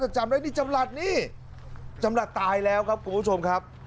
จำได้นี่จำหลัดนี่จำหลัดตายแล้วครับคุณผู้ชมครับ